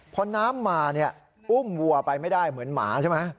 พอน้ำมาอุ้มวัวไปไม่ได้เหมือนหมาใช่ไหม